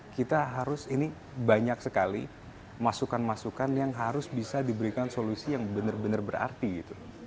kita harus ini banyak sekali masukan masukan yang harus bisa diberikan solusi yang benar benar berarti gitu